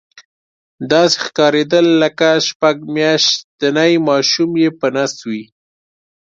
داسې ښکارېدل لکه شپږ میاشتنی ماشوم یې په نس وي.